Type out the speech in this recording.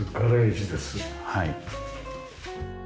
はい。